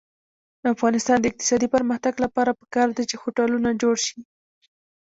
د افغانستان د اقتصادي پرمختګ لپاره پکار ده چې هوټلونه جوړ شي.